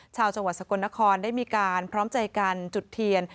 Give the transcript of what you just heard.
ชาวจังหวัดสกลนครได้มีการพร้อมใจกันจุดเทียน